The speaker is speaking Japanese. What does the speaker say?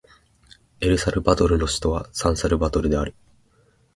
エルサルバドルの首都はサンサルバドルである